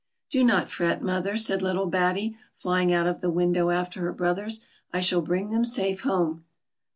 " Do not fret, mother," said little Batty, flying out of the window after her brothers, " I shall bring thcin safe home."